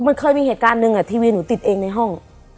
มันเคยมีเหตุการณ์หนึ่งทีวีหนูติดเองในห้อง